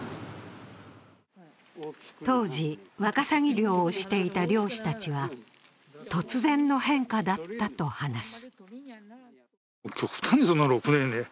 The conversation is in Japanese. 当時、ワカサギ漁をしていた漁師たちは突然の変化だったと話す。